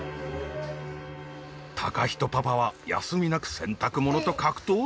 貴仁パパは休みなく洗濯物と格闘中。